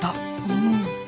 うん！